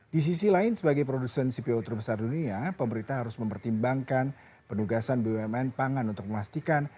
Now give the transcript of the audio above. di sisi lain sebagai produsen cpo terbesar dunia pemerintah harus mempertimbangkan penugasan bumn pangan untuk memastikan